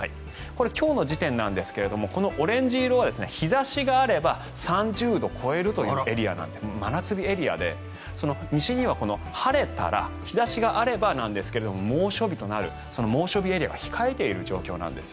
これは今日の時点なんですがこのオレンジ色は日差しがあれば３０度超えるというエリア真夏日エリアで西には晴れたら日差しがあればなんですが猛暑日となる猛暑日エリアが控えている状況なんです。